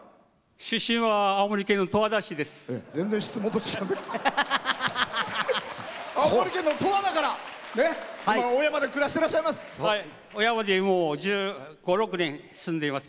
出身は青森県の十和田市です。